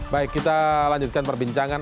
baik kita lanjutkan perbincangan